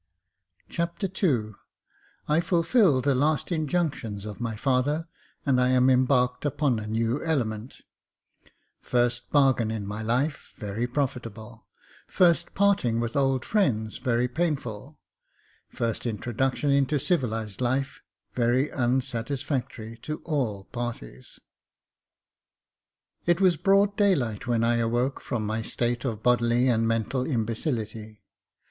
Chapter II I fulfil the last injunctions of my Father, and I am embarked upon a new element — First bargain in my life very profitable — First parting with old friends very painful — First introduction into civilised life very un satisfactory to all parties. It was broad daylight when I awoke from my state of bodily and mental imbecility.